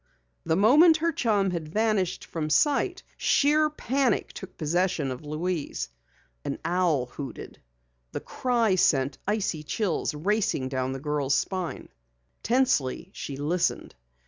The moment her chum had vanished from sight, sheer panic took possession of Louise. An owl hooted. The cry sent icy chills racing down the girl's spine. Tensely she listened.